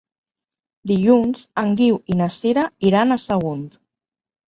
Dilluns en Guiu i na Sira iran a Sagunt.